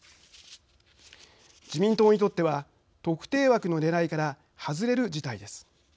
自民党にとっては特定枠のねらいから外れる事態です。